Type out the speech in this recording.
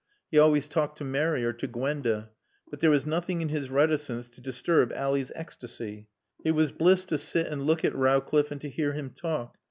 He always talked to Mary or to Gwenda. But there was nothing in his reticence to disturb Ally's ecstasy. It was bliss to sit and look at Rowcliffe and to hear him talk.